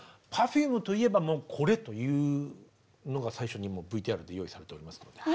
「Ｐｅｒｆｕｍｅといえばもうこれ」というのが最初にもうＶＴＲで用意されておりますので。